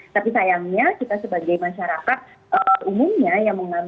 tapi sayangnya kita sebagai masyarakat umumnya yang mengambil